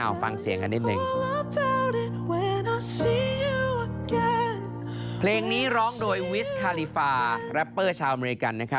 เอาฟังเสียงกันนิดหนึ่ง